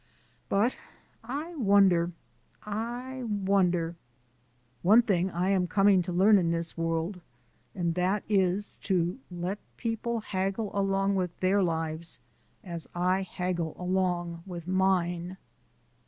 But I wonder I wonder. One thing I am coming to learn in this world, and that is to let people haggle along with their lives as I haggle along with mine.